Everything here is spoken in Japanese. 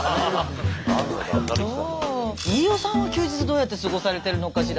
飯尾さんは休日どうやって過ごされてるのかしらね。